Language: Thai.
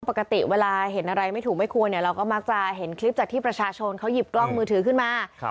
ปกติเวลาเห็นอะไรไม่ถูกไม่ควรเนี่ยเราก็มักจะเห็นคลิปจากที่ประชาชนเขาหยิบกล้องมือถือขึ้นมา